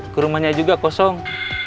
ke rumahnya juga kosong